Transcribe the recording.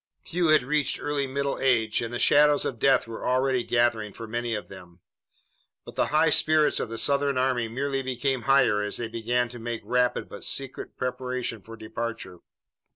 Few had reached early middle age, and the shadows of death were already gathering for many of them. But the high spirits of the Southern army merely became higher as they began to make rapid but secret preparation for departure.